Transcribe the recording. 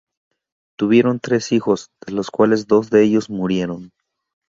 Tuvieron tres hijos de los cuales dos de ellos murieron.